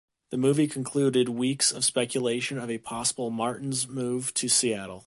The move concluded weeks of speculation of a possible Martins move to Seattle.